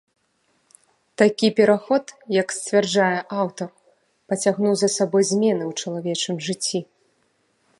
Такі пераход, як сцвярджае аўтар, пацягнуў за сабой змены ў чалавечым жыцці.